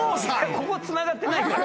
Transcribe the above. ここつながってないから。